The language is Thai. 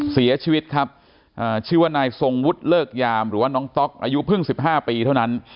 เสียชีวิตครับชื่อว่านายทรงวุฒิเลิกยามหรือว่าน้องต๊อกอายุเพิ่ง๑๕ปีเท่านั้น